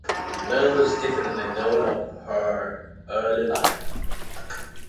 Little is definitively known of her early life.